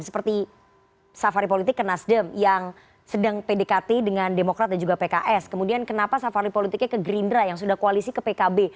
seperti safari politik ke nasdem yang sedang pdkt dengan demokrat dan juga pks kemudian kenapa safari politiknya ke gerindra yang sudah koalisi ke pkb